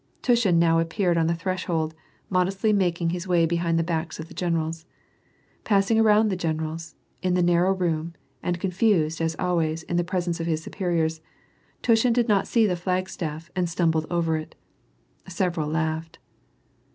Tushin now appeared on the threshold, modestly making his way behind the backs of the generals. Passing around tlie generals, m the narrow room, and confused, as always, in the presence of his superiors, Tushin did not see the flagstaff, and stumbled over it. Several laughed.